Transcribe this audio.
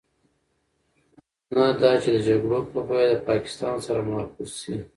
نه دا چې د جګړو په بيه د پاکستان سر محفوظ شي.